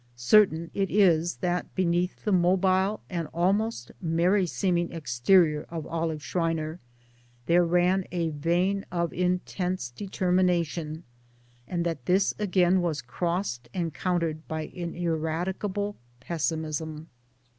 Certain it is that beneath the mobile and (almost merry seeming exterior of Olive Schreiner there ran a vein of intense determination, and that this again was crossed and countered by an ineradicable pes simism.